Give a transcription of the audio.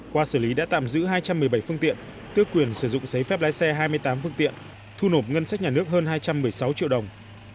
qua xử lý đã tạm giữ hai trăm một mươi bảy phương tiện tước quyền sử dụng giấy phép lái xe hai mươi tám phương tiện thu nộp ngân sách nhà nước hơn hai trăm một mươi sáu triệu đồng